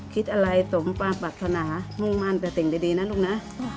คิดอะไรสมความปรัฐนานุ่งมั่นแต่สิ่งดีนะลูกนะ